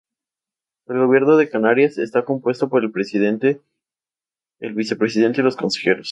El Gobierno de Canarias está compuesto por el Presidente, el Vicepresidente y los Consejeros.